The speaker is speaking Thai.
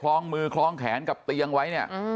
ซ่องมือคล้องแขนกับเตียงไว้